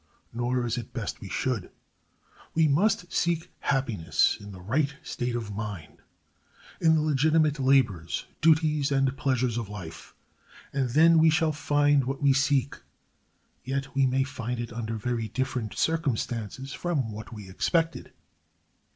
Nor is it best we should. We must seek happiness in the right state of mind, in the legitimate labors, duties, and pleasures of life, and then we shall find what we seek, yet we may find it under very different circumstances from what we expected.